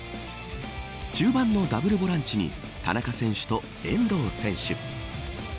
中盤のダブルボランチに田中選手と遠藤選手。